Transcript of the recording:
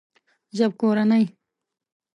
ژبکورنۍ